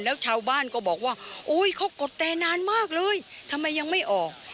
แล้วชาวบ้านก็บอกว่าโอ้ยเขากดแต่นานมากเลยทำไมยังไม่ออก